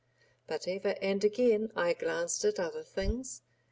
But ever and again I glanced at other things.